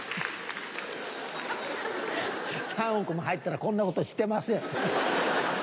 ３億も入ったらこんなことしてません。